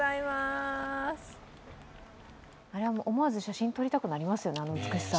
あれは思わず写真撮りたくなりますよね、あの美しさは。